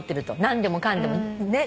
何でもかんでもね。